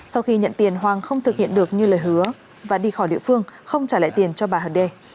sau khi nhận tiền hoàng không thực hiện được như lời hứa và đi khỏi địa phương không trả lại tiền cho bà hà đê